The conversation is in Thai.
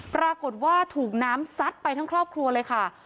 ปรากฏว่าถูกน้ำซัดไปทั้งครอบครัวเลยค่ะ